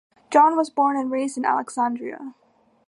John was born and raised in Alexandria.